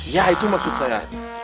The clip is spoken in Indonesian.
ya itu maksud saya